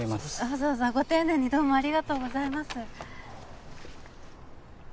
わざわざご丁寧にどうもありがとうございます